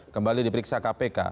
kembali diperiksa kpk